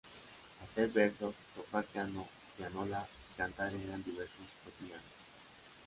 Hacer versos, tocar piano o pianola y cantar eran diversiones cotidianas.